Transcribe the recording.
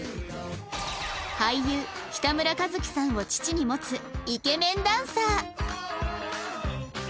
俳優北村一輝さんを父に持つイケメンダンサー